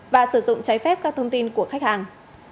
và sử dụng trái phép các thông tin của khách hàng